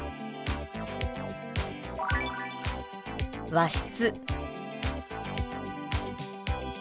「和室」。